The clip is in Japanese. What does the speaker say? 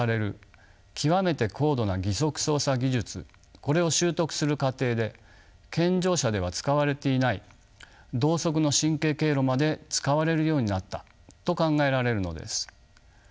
これを習得する過程で健常者では使われていない同側の神経経路まで使われるようになったと考えられるのです。